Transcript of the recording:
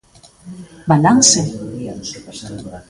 Balance?